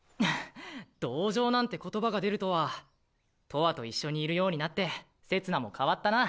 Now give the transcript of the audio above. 同情なんて言葉が出るとはとわと一緒にいるようになってせつなも変わったな。